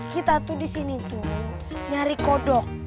kita tuh disini tuh nyari kodok